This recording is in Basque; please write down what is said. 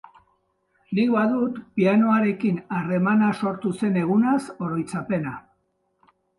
Nik badut pianoarekin harremana sortu zen egunaz oroitzapena.